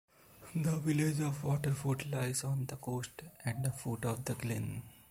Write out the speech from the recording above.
The village of Waterfoot lies on the coast at the foot of the glen.